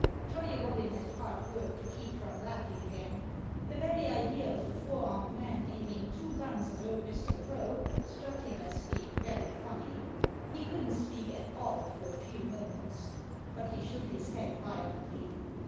Jolly Robin had hard work to keep from laughing again. The very idea of the four armed man aiming two guns at old Mr. Crow struck him as being very funny. He couldn't speak at all for a few moments. But he shook his head violently.